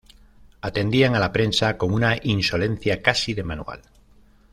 Atendían a la prensa con una insolencia casi de manual.